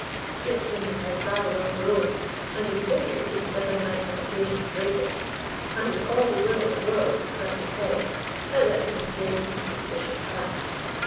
He assumed that I travelled on parole, and insinuated that I might have occasion to break it: and, with all the will in the world to crack his head, I let the mistake and suspicion pass.